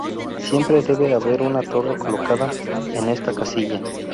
Siempre debe haber una torre colocada en esta casilla.